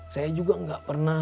saya juga nggak pernah